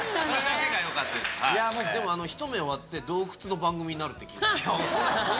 でも『ひと目』終わって洞窟の番組になるって聞いた。